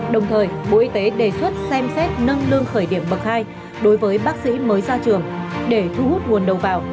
đồng thời bộ y tế đề xuất xem xét nâng lương khởi điểm bậc hai đối với bác sĩ mới ra trường để thu hút nguồn đầu vào